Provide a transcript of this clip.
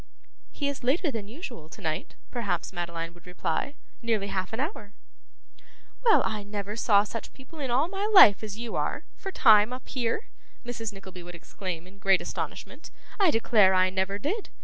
'He is later than usual to night,' perhaps Madeline would reply. 'Nearly half an hour.' 'Well, I never saw such people in all my life as you are, for time, up here!' Mrs. Nickleby would exclaim in great astonishment; 'I declare I never did!